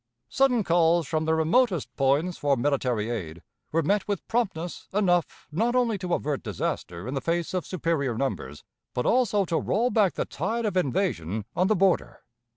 Sudden calls from the remotest points for military aid were met with promptness enough not only to avert disaster in the face of superior numbers, but also to roll back the tide of invasion on the border.